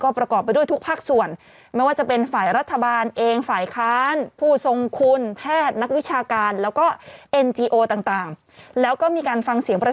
ก็ประกอบไปด้วยทุกภาคส่วนไม่ว่าจะเป็นฝ่ายรัฐบาลเอง